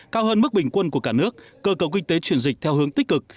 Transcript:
cao hơn mức bình quân của cả nước cơ cầu kinh tế chuyển dịch theo hướng tích cực